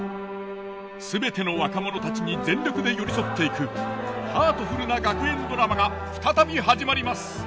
全ての若者たちに全力で寄り添っていくハートフルな学園ドラマが再び始まります。